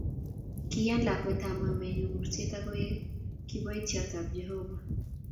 Kiyaan lakwetab mamaenyu kurset agoek kiboityotab jehovah